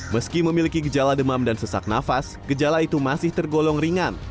meski memiliki gejala demam dan sesak nafas gejala itu masih tergolong ringan